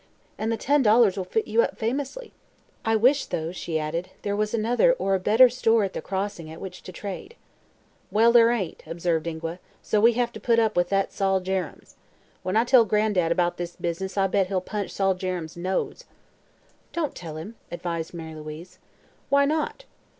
And the ten dollars will fit you up famously. I wish, though," she added, "there was another or a better store at the Crossing at which to trade." "Well, there ain't," observed Ingua, "so we hev to put up with that Sol Jerrems. When I tell Gran'dad about this business I bet he'll punch Sol Jerrems' nose." "Don't tell him," advised Mary Louise. "Why not?"